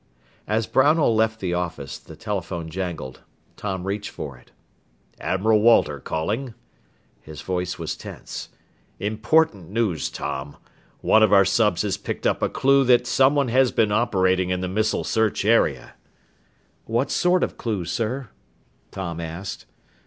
As Brownell left the office, the telephone jangled. Tom reached for it. "Admiral Walter calling." His voice was tense. "Important news, Tom. One of our subs has picked up a clue that someone has been operating in the missile search area." "What sort of clue, sir?" Tom asked.